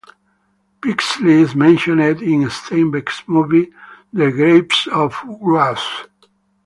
Pixley is mentioned in Steinbeck's movie 'The Grapes of Wrath.